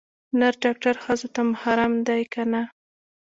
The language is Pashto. نر ډاکتر ښځو ته محرم ديه که نه.